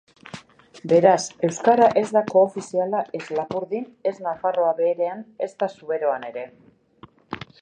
Beraz, euskara ez da koofiziala ez Lapurdin, ez Nafarroa Beherean ezta Zuberoan ere.